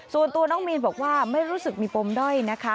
ส่วนตัวน้องมีนบอกว่าไม่รู้สึกมีปมด้อยนะคะ